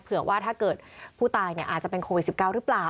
เผื่อว่าถ้าเกิดผู้ตายอาจจะเป็นโควิด๑๙หรือเปล่า